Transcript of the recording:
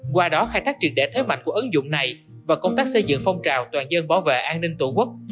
qua đó khai thác triệt để thế mạnh của ứng dụng này và công tác xây dựng phong trào toàn dân bảo vệ an ninh tổ quốc